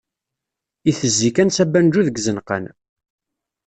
Itezzi kan s ubanju deg izenqan.